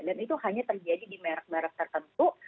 dan itu hanya terjadi di merek merek tertentu